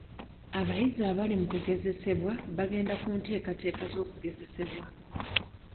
Abayizi abali mu kugezesebwa bagenda ku nteekateeka z'okugezesebwa